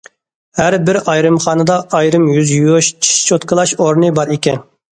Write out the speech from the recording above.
ھەر بىر ئايرىمخانىدا ئايرىم يۈز يۇيۇش، چىش چوتكىلاش ئورنى بار ئىكەن.